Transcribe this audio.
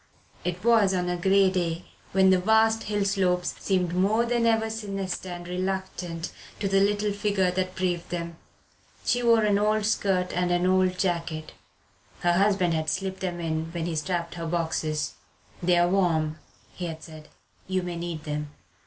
It was on a grey day, when the vast hill slopes seemed more than ever sinister and reluctant to the little figure that braved them. She wore an old skirt and an old jacket her husband had slipped them in when he strapped her boxes. "They're warm," he had said; "you may need them."